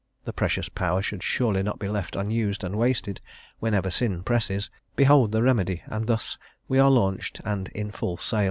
The precious power should surely not be left unused and wasted; whenever sin presses, behold the remedy, and thus we are launched and in full sail.